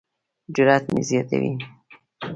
جرات مې زیاتوي.